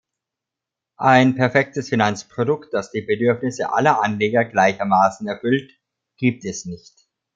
Ein perfektes Finanzprodukt, das die Bedürfnisse aller Anleger gleichermaßen erfüllt, gibt es nicht.